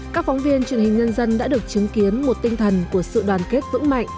các phóng viên truyền hình nhân dân đã được chứng kiến một tinh thần của sự đoàn kết vững mạnh